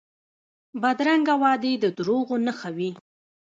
بدرنګه وعدې د دروغو نښه وي